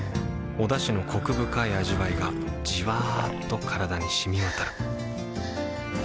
おだしのコク深い味わいがじわっと体に染み渡るはぁ。